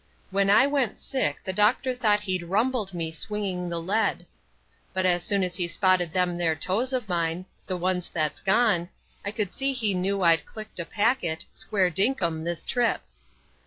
"When I went sick the doctor thought he'd rumbled me swinging the lead. But as soon as he spotted them there toes of mine the ones that's gone I could see he knew I'd clicked a packet, square dinkum, this trip."